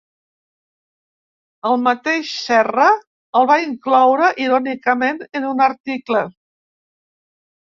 El mateix Serra el va incloure irònicament en un article.